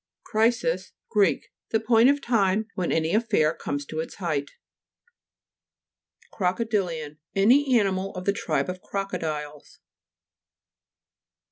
CRI'SIS Gr. The point of time when any affair comes to its height. CROCODI'LIAN Any animal of the tribe of crocodiles.